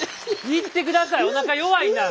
行って下さいおなか弱いんなら。